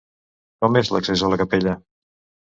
Com és l'accés a la capella?